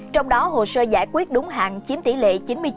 trong đó hồ sơ giải quyết đúng hạn chiếm tỷ lệ chín mươi chín sáu mươi chín